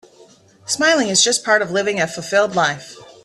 Smiling is just part of living a fulfilled life.